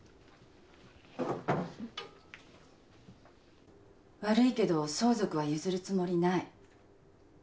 悪いけど相続は譲るつもりない。